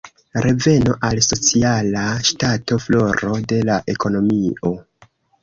Reveno al sociala ŝtato, floro de la ekonomio.